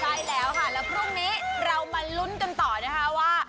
ใช่แล้วค่ะแล้วพรุ่งนี้เรามาลุ้นกันต่อนะคะว่า